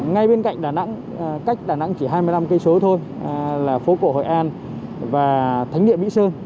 ngay bên cạnh đà nẵng cách đà nẵng chỉ hai mươi năm km thôi là phố cổ hội an và thánh địa mỹ sơn